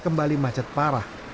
kembali macet parah